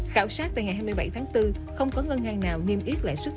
khảo sát tại ngày hai mươi bảy tháng bốn không có ngân hàng nào niêm yết lãi suất